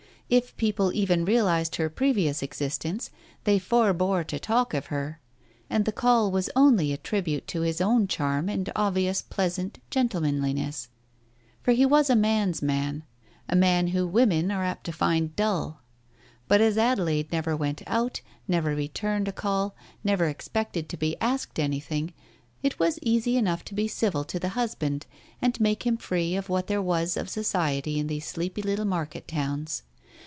If people even realized her previous exist ence, they forbore to t^lk of her, and the call was only a tribute to his own charm and obvious pleasant gentle manliness. For he was a man's man, a man whom women are apt to find dull. But as Adelaide never went Digitized by Google 272 TALES OF THE UNEASY out, never returned a call, never expected to be asked to anything, it was easy enough to be civil to the husband, and make him free of what there was of Society in these sleepy little market towns.